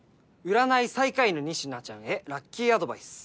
占い最下位の仁科ちゃんへラッキーアドバイス